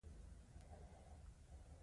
تراوسه مې کوم پرېکړه نه ده نیولې، ته د ده.